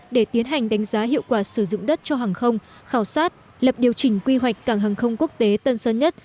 để tiến hành đánh giá hiệu quả sử dụng đất cho hàng không khảo sát lập điều chỉnh quy hoạch cảng hàng không quốc tế tân sơn nhất